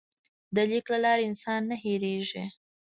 د لیک له لارې انسان نه هېرېږي.